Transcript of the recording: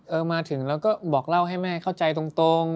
มาถึงแล้วก็บอกเล่าให้แม่เข้าใจตรง